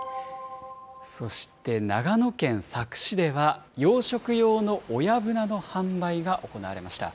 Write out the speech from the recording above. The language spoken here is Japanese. そして長野県佐久市では、養殖用の親ブナの販売が行われました。